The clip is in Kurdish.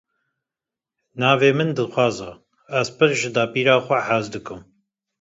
Navê min Dilxwaz e, ez pir ji dapîra xwe hez dikim.